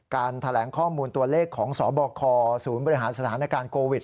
แถลงข้อมูลตัวเลขของสบคศูนย์บริหารสถานการณ์โควิด